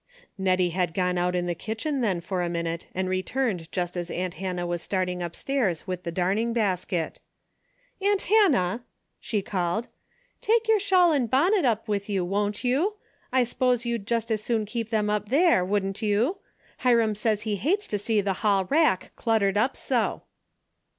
Hettie had gone out in the kitchen then for a minute and returned just as aunt Hannah was starting upstairs with the darning basket. Aunt Hannah !" she called, " take your shawl and bonnet up with you, won't you ? I s'pose you'd just as soon keep them up there, wouldn't you ? Hiram says he hates to see the hall rack cluttered up so."